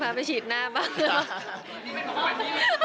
พาไปฉีดหน้าบ้าง